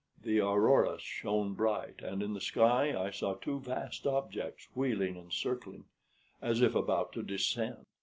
The aurora shone bright, and in the sky I saw two vast objects wheeling and circling, as if about to descend.